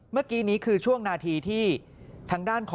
พร้อมกับพระครูประหละศิษฐีวัตร